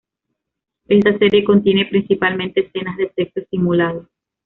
Esta serie contiene principalmente escenas de sexo simulado.